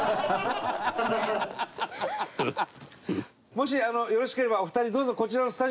もしよろしければお二人どうぞこちらのスタジオの方に。